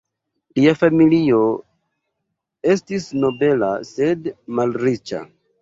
Lia familio estis nobela sed malriĉa.